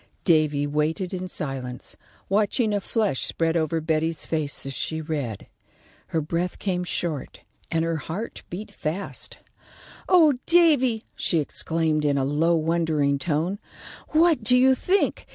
Davy waited in silence, watching a flush spread over Betty's face as she read. Her breath came short and her heart beat fast. "Oh, Davy," she exclaimed, in a low, wondering tone. "What do you think?